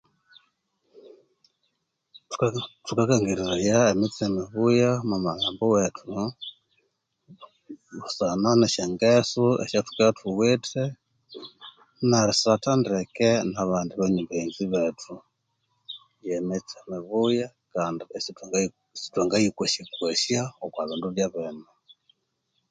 Thu thukakangiraya emitse mibuya mwa malhambwethu busana nesyongesu isyathukabya ithuwithe narisatha ndeke nabandi banywani baghenzi bethu yemitse mibuya kandi sitha sithwangayikwasyakwasya okwa bindi byabene